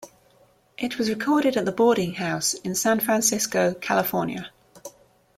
It was recorded at The Boarding House in San Francisco, California.